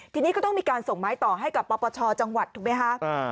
ทีนี้ก็ต้องมีการส่งไม้ต่อให้กับปปชจังหวัดถูกไหมคะ